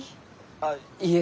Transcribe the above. あいいえ。